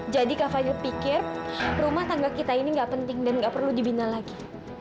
jadi kak fadil pikir rumah tangga kita ini enggak penting dan enggak perlu dibina lagi